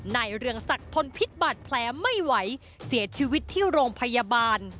เรืองศักดิ์ทนพิษบาดแผลไม่ไหวเสียชีวิตที่โรงพยาบาล